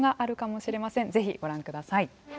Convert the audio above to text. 是非ご覧ください。